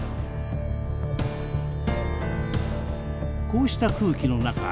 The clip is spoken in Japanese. こうした空気の中